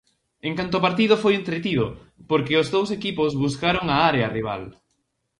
En canto ao partido foi entretido porque os dous equipos buscaron a área rival.